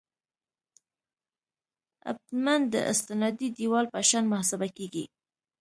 ابټمنټ د استنادي دیوال په شان محاسبه کیږي